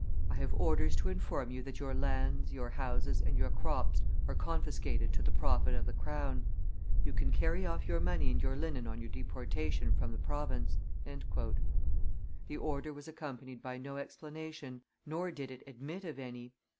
"I have orders to inform you that your lands, your houses, and your crops are confiscated to the profit of the crown; you can carry off your money and your linen on your deportation from the province." The order was accompanied by no explanation; nor did it admit of any.